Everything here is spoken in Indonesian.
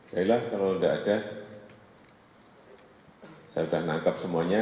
baiklah kalau enggak ada saya sudah menangkap semuanya